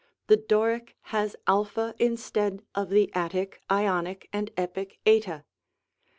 The Doric has a instead of the Attic, Ionic and Epic tj.